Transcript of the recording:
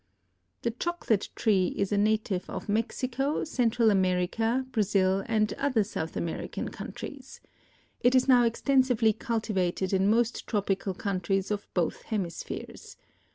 The chocolate tree is a native of Mexico, Central America, Brazil and other South American countries. It is now extensively cultivated in most tropical countries of both hemispheres.